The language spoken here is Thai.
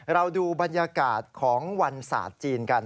เราดูบรรยากาศของวันศาสตร์จีนกัน